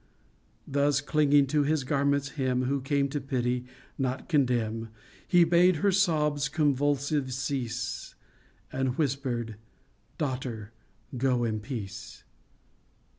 Thus clinging to his garment's hem Who came to pity, not condemn, He bade her sobs convulsive cease, And whispered, " Daughter, go in peace.